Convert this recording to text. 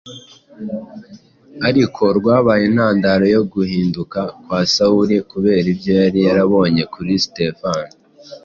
ariko rwabaye intandaro yo guhinduka kwa Sawuli kubera ibyo yari yabonye kuri Sitefano;